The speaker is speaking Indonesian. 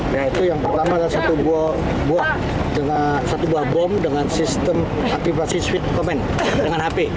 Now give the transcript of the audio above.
nah itu yang pertama adalah satu buah bom dengan sistem aktivasi switch command dengan hp